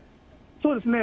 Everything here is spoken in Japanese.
そうですね。